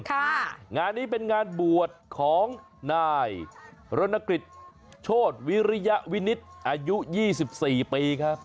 งานแอนงานนี้เป็นงานบวชของนายรนคริชโชทวิริยะวินิศอายุ๒๔ปีครับ